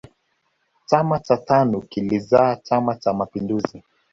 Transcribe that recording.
chama cha tanu kilizaa chama cha mapinduzi